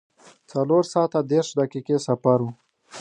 څلور ساعته دېرش دقیقې سفر و.